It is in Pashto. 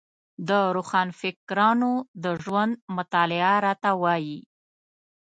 د روښانفکرانو د ژوند مطالعه راته وايي.